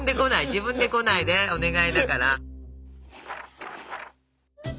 自分で来ないでお願いだから。